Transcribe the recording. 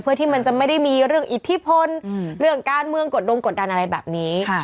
เพื่อที่มันจะไม่ได้มีเรื่องอิทธิพลเรื่องการเมืองกดดงกดดันอะไรแบบนี้